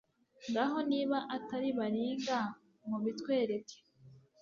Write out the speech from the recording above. ngaho niba atari baringa mubitwereke